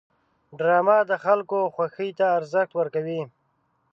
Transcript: ډرامه د خلکو خوښې ته ارزښت ورکوي